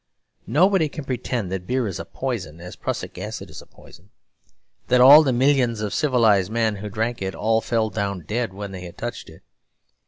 Nobody can pretend that beer is a poison as prussic acid is a poison; that all the millions of civilised men who drank it all fell down dead when they had touched it.